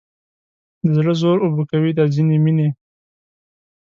د زړه زور اوبه کوي دا ځینې مینې